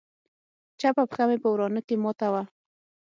چپه پښه مې په ورانه کښې ماته وه.